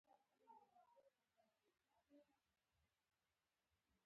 هغه ته ماته ورکړه او کابل یې ورڅخه ونیوی.